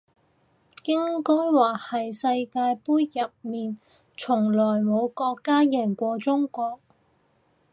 應該話係世界盃入面從來冇國家贏過中國